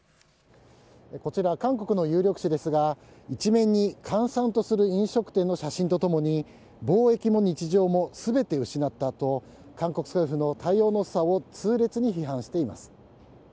こちら、韓国の有力紙ですが１面に閑散とする飲食店の写真とともに防疫も日常も全て失ったと韓国政府の対応の遅さを痛烈に批判しています。